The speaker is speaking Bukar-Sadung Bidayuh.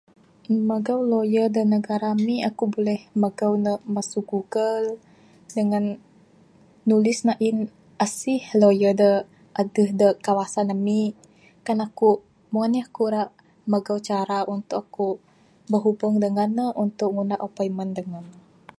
Magau lawyer da negara ami aku buleh magau ne masu google dangan nulis ain asih lawyer da adeh da kawasan ami kan aku meng anih cara untuk ku berhubung dangan ne untuk ngunah appointment dangan ne.